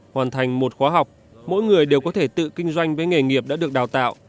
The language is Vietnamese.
hoàn thành một khóa học mỗi người đều có thể tự kinh doanh với nghề nghiệp đã được đào tạo